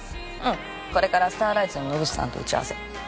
これからスターライツの野口さんと打ち合わせ。